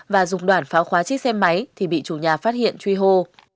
và dùng đoạn pháo khóa chiếc xe máy thì bị chủ nhà phát hiện truy hô